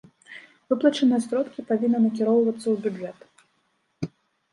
Выплачаныя сродкі павінны накіроўвацца ў бюджэт.